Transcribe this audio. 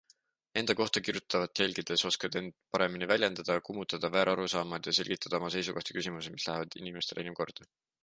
Enda kohta kirjutatavat jälgides oskad end edaspidi paremini väljendada, kummutada väärarusaamad ja selgitada oma seisukohti küsimustes, mis lähevad inimestele enim korda.